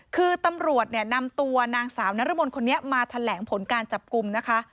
คือตำรวจเนี่ยนำตัวนางสาวนรมนคนนี้มาแถลงผลการจับกลุ่มนะคะ